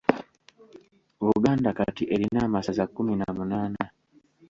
Buganda kati erina amasaza kkumi na munaana.